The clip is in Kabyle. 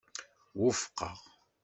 Wufqeɣ.